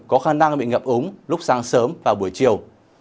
có khả năng bị ngập úng lúc sáng sớm và buổi chiều